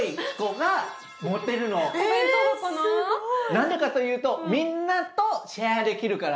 何でかと言うとみんなとシェアできるから。